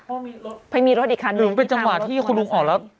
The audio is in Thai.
เพราะมีรถมีรถอีกคันนึงหรือเป็นจังหวะที่คุณลุงออกแล้ว